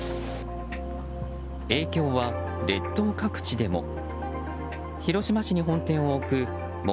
影響は列島各地でも。